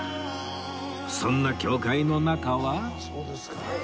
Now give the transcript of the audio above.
そんな教会の中は